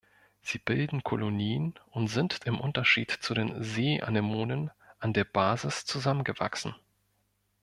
Sie bilden Kolonien und sind, im Unterschied zu den Seeanemonen, an der Basis zusammengewachsen.